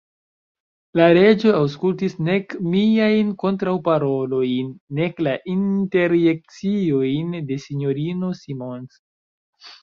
La Reĝo aŭskultis nek miajn kontraŭparolojn, nek la interjekciojn de S-ino Simons.